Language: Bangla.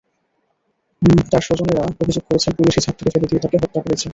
তাঁর স্বজনেরা অভিযোগ করেছেন, পুলিশই ছাদ থেকে ফেলে দিয়ে তাঁকে হত্যা করেছে।